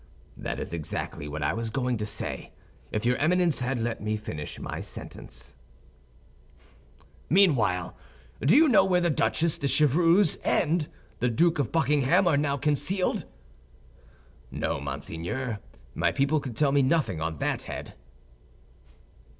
"That is exactly what I was going to say, if your Eminence had let me finish my sentence." "Meanwhile, do you know where the Duchesse de Chevreuse and the Duke of Buckingham are now concealed?" "No, monseigneur; my people could tell me nothing on that head."